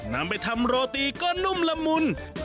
นำไปทำโรตีก็นุ่มละมุน